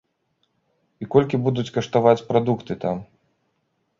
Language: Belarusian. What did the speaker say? І колькі будуць каштаваць прадукты там?